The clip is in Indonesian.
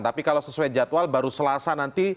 tapi kalau sesuai jadwal baru selasa nanti